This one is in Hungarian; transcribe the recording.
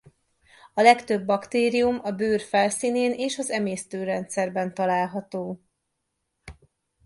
A legtöbb baktérium a bőr felszínén és az emésztőrendszerben található.